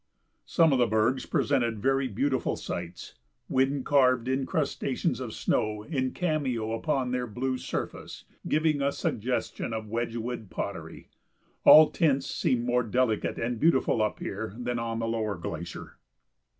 Some of the bergs presented very beautiful sights, wind carved incrustations of snow in cameo upon their blue surface giving a suggestion of Wedgwood pottery. All tints seemed more delicate and beautiful up here than on the lower glacier.